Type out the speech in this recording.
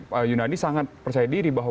pak yunadi sangat percaya diri bahwa